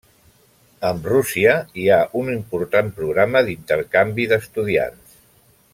Amb Rússia hi ha un important programa d'intercanvi d'estudiants.